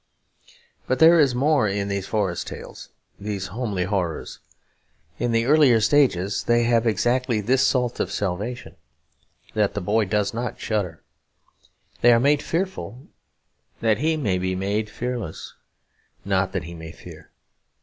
But there is more in these first forest tales, these homely horrors. In the earlier stages they have exactly this salt of salvation, that the boy does not shudder. They are made fearful that he may be fearless, not that he may fear.